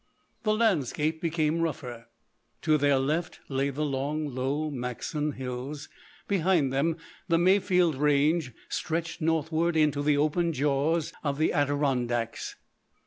The landscape became rougher. To their left lay the long, low Maxon hills; behind them the Mayfield range stretched northward into the open jaws of the Adirondacks.